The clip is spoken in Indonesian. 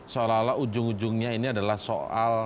seolah olah ujung ujungnya ini adalah soal